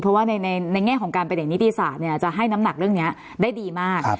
เพราะว่าในแง่ของการเป็นเด็กนิติศาสตร์จะให้น้ำหนักเรื่องนี้ได้ดีมาก